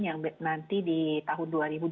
yang nanti di tahun dua ribu dua puluh